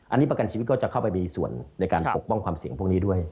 อันนี้ประกันชีวิตก็จะเข้าไปมีส่วนในการปกป้องความเสี่ยงพวกนี้ด้วย